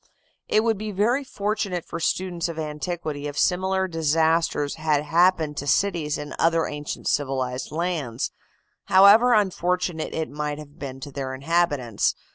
It would be very fortunate for students of antiquity if similar disasters had happened to cities in other ancient civilized lands, however unfortunate it might have been to their inhabitants.